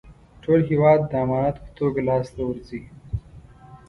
ټول هېواد د امانت په توګه لاسته ورځي.